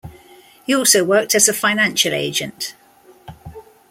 He also worked as a financial agent.